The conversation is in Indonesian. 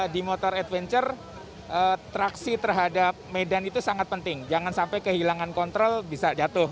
di motor adventure traksi terhadap medan itu sangat penting jangan sampai kehilangan kontrol bisa jatuh